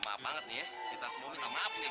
maaf banget nih ya kita semua minta maaf nih